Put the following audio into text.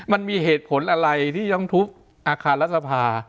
มันมีเหตุผลอะไรที่ต้องทุบอาคารรัฐสภา